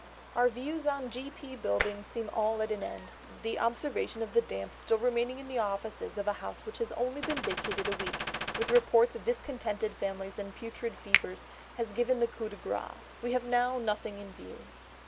"Our views on G.P. Buildings seem all at an end; the observation of the damp still remaining in the offices of a house which has only been vacated a week, with reports of discontented families and putrid fevers, has given the coup de grace. We have now nothing in view."